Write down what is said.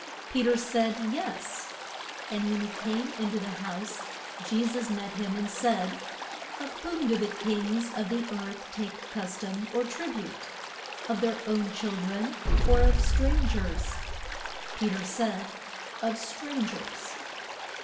Pe ter said, Yes. And when he came in to the house Je sus met him and said. Of whom do the kings of the earth take cus tom or trib ute? of their own chil dren or of stran gers? Pe ter said, Of stran gers.